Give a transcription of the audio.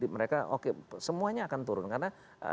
mereka oke semuanya akan turun karena